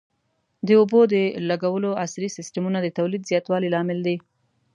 د اوبو د لګولو عصري سیستمونه د تولید زیاتوالي لامل دي.